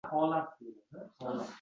Barcha yo‘nalishlar